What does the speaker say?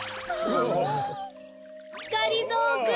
がりぞーくん。